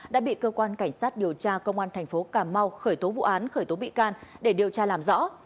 đã bị cơ quan cảnh sát điều tra công an thành phố cà mau khởi tố vụ án khởi tố bị can để điều tra làm rõ